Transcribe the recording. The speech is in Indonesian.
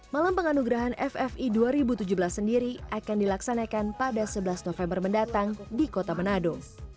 malam penganugerahan ffi dua ribu tujuh belas sendiri akan dilaksanakan pada sebelas november mendatang di kota manado